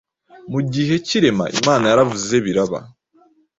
Mu gihe cy’irema Imana yaravuze biraba,